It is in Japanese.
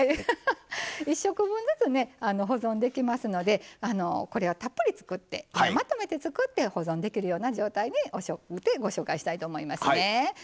１食分ずつ保存できますのでこれはたっぷり作ってまとめて作って保存できるような状態でご紹介したいと思いますね。